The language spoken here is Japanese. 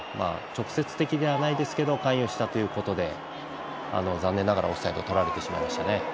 直接的ではないですが関与したということで残念ながらオフサイドをとられてしまいました。